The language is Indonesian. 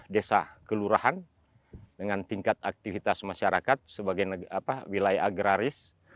tiga puluh tiga desa kelurahan dengan tingkat aktivitas masyarakat sebagai wilayah agraris